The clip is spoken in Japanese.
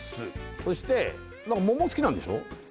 そして何か桃好きなんでしょ？